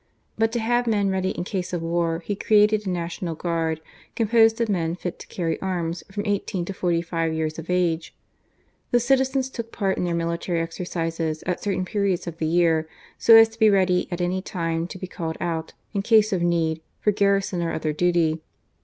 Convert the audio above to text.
But to have men ready in case of war, he created a National Guard, composed of men fit to carry arms, from eighteen to forty five years of age. The citizens took part in their military exercises at certain periods of the year, so as to be ready at any time to be called out, in case of need, for garrison or other duty.